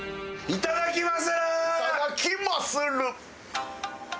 いただきまする！